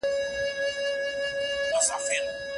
چې سترگې پټې کړې، سالو په ځان تاو کړې